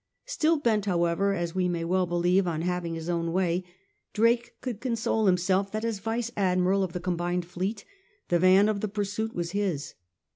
Still bent, however, as we may well believe, on having his own way, Drake could console himself that as vice admiral of the combined fleet the van of the pursuit waa his.